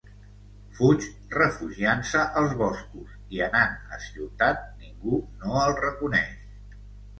Fuig, refugiant-se als boscos i, anant a ciutat, ningú no el reconeix.